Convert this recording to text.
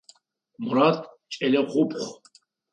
Мурат кӏэлэ хъупхъ.